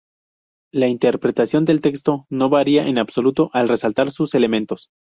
La interpretación del texto no varía en absoluto al resaltar sus elementos.